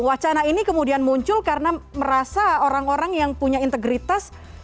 wacana ini kemudian muncul karena merasa orang orang yang punya integritas